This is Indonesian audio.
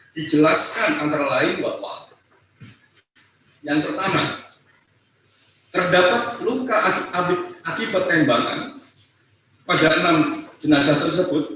dijelaskan antara lain yang pertama terdapat luka ati pertembangan pada enam jenazah tersebut